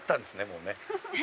もうね。